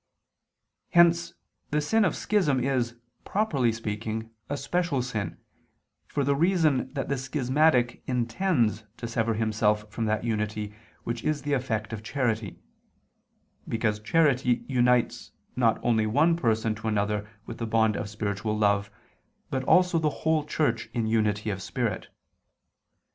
Hence the sin of schism is, properly speaking, a special sin, for the reason that the schismatic intends to sever himself from that unity which is the effect of charity: because charity unites not only one person to another with the bond of spiritual love, but also the whole Church in unity of spirit.